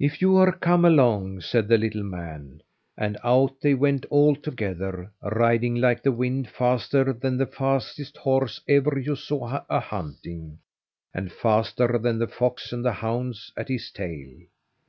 "If you are, come along," said the little man, and out they went all together, riding like the wind, faster than the fastest horse ever you saw a hunting, and faster than the fox and the hounds at his tail.